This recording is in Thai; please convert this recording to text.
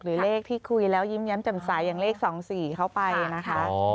หรือเลขที่คุยแล้วยิ้มแย้มจำใสอย่างเลขสองสี่เข้าไปนะคะ